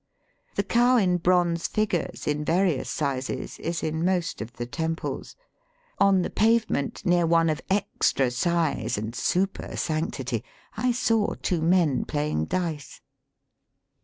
The cow in bronze figures in various sizes is in most of the temples. On the pavement near one of extra size and super sanctity I saw two men playing dice.